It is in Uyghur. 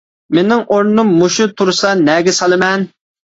-مېنىڭ ئورنۇم مۇشۇ تۇرسا، نەگە سالىمەن.